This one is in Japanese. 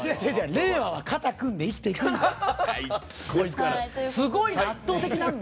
令和は肩組んで生きていくんだ。